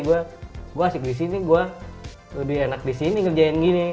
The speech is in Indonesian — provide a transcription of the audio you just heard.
gua asik disini gua lebih enak disini ngerjain gini